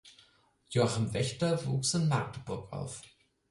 Joachim Wächter wuchs in Magdeburg auf.